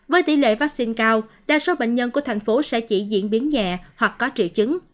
với tỷ lệ vaccine cao đa số bệnh nhân của thành phố sẽ chỉ diễn biến nhẹ hoặc có triệu chứng